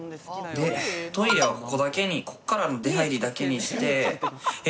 でトイレはここだけにこっからの出入りだけにしてえ！？